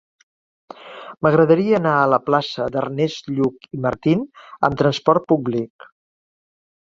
M'agradaria anar a la plaça d'Ernest Lluch i Martín amb trasport públic.